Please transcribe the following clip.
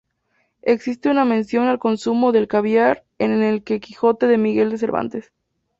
Existe una mención al consumo del caviar en el "Quijote" de Miguel de Cervantes.